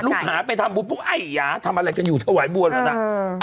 ลูกหาไปทำบุญปุ๊ไอ้ยาทำอะไรกันอยู่ถวายบัวแล้วนะ